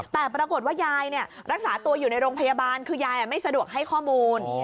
แต่ปรากฏว่ายายรักษาตัวอยู่ในโรงพยาบาลคือยายไม่สะดวกให้ข้อมูล